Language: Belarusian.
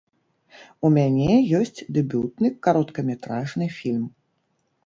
У мяне ёсць дэбютны кароткаметражны фільм.